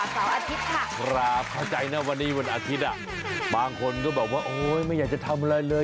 ขอบใจนะวันนี้บนอาทิตย์บางคนก็บอกว่าไม่อยากจะทำอะไรเลย